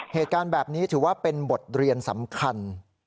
เหตุการณ์แบบนี้ถือว่าเป็นบทเรียนสำคัญ